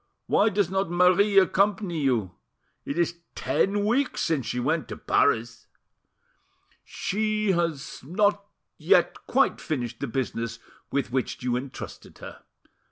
Why does not Marie accompany you? It is ten weeks since she went to Paris." "She has not yet quite finished the business with which you entrusted her.